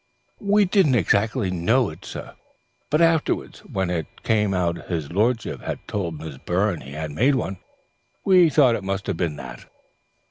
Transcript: "We didn't exactly know it was, sir, but afterwards, when it came out his lordship had told Miss Byrne he had made one, we thought it must have been that."